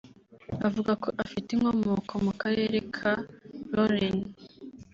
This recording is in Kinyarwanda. avuga ko afite inkomoko mu Karere ka Lorraine